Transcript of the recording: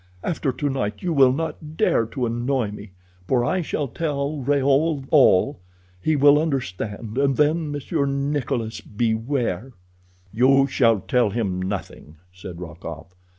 After tonight you will not dare to annoy me, for I shall tell Raoul all. He will understand, and then, Monsieur Nikolas, beware!" "You shall tell him nothing," said Rokoff.